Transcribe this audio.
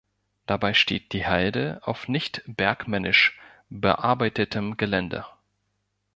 Dabei steht die Halde auf nicht bergmännisch bearbeitetem Gelände.